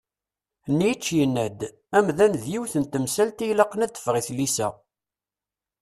Nietzsche yenna-d: Amdan d yiwet n temsalt i ilaqen ad teffeɣ i tlisa.